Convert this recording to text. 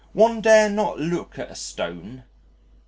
One dare not loook at a Stone."